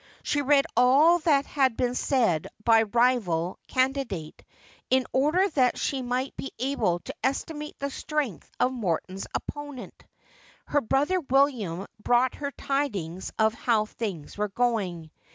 She read all that had been said by the rival candidate, in order that she might be able to estimate the strength of Morton's opponent. Her brother William brought her tidings of how things were going.